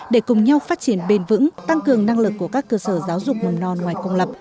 để cùng nhau phát triển bền vững tăng cường năng lực của các cơ sở giáo dục mầm non ngoài công lập